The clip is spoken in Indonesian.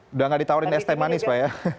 sudah tidak ditawarkan es teh manis pak ya